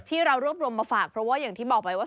ที่เรารวบรวมมาฝากเพราะว่าอย่างที่บอกไปว่า